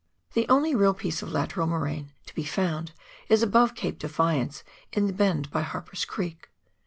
The only real piece of lateral moraine to be found is above Cape Defiance, in the bend by Harper's Creek.